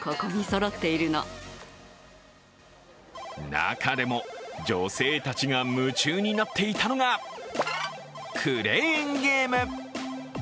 中でも女性たち夢中になっていたのが、クレーンゲーム。